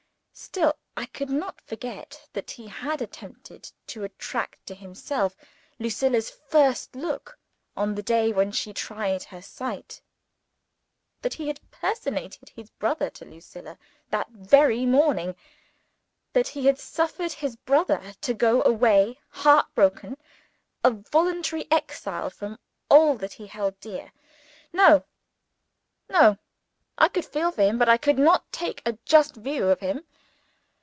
Still I could not forget that he had attempted to attract to himself Lucilla's first look, on the day when she tried her sight that he had personated his brother to Lucilla that very morning that he had suffered his brother to go away heart broken, a voluntary exile from all that he held dear. No! I could feel for him, but I could not take a just view of him.